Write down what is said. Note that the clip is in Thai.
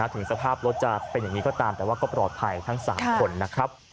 ถึงสภาพรถจะเป็นอย่างนี้ก็ตามแต่ว่าก็ปลอดภัยทั้ง๓คนนะครับ